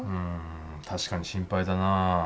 確かに心配だな。